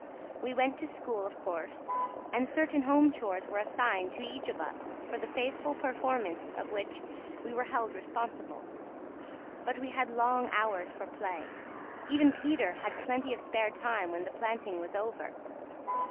We went to school, of course; and certain home chores were assigned to each of us for the faithful performance of which we were held responsible. But we had long hours for play. Even Peter had plenty of spare time when the planting was over.